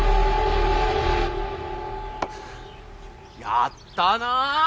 やったな！